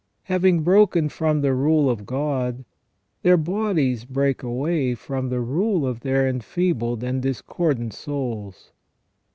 Having broken from the rule of God, their bodies break away from the rule of their enfeebled and discordant souls.